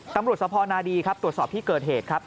ตำรวจสภนาดีครับตรวจสอบที่เกิดเหตุครับ